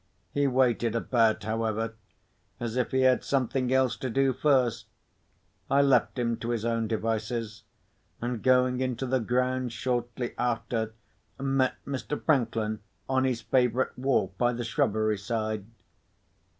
He waited about, however, as if he had something else to do first. I left him to his own devices; and going into the grounds shortly after, met Mr. Franklin on his favourite walk by the shrubbery side.